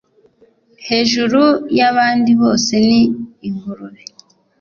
hejuru yabandi bose ni ingurube